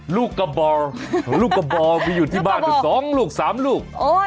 ลูกกระบองลูกกระบองมีอยู่ที่บ้านอยู่๒ลูก๓ลูก